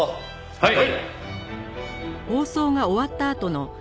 はい！